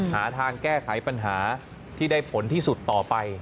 หาทางแก้ไขปัญหาที่ได้ผลที่สุดต่อไป